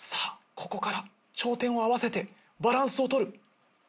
ここから頂点を合わせてバランスを取る。